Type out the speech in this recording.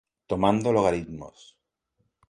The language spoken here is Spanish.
Tomando logaritmos.